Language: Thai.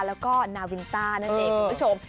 แล้วก็นาวินต้านั่นเองคุณผู้ชม